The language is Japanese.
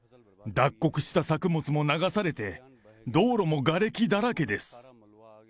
脱穀した作物も流されて、道路もがれきだらけです。